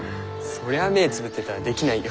そりゃ目つぶってたらできないよ。